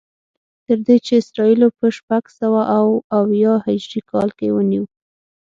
تر دې چې اسرائیلو په شپږسوه او اویا هجري کال کې ونیو.